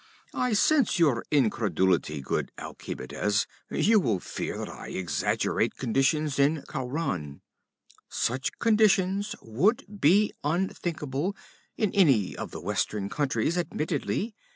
'I sense your incredulity, good Alcemides; you will fear that I exaggerate conditions in Khauran. Such conditions would be unthinkable in any of the Western countries, admittedly.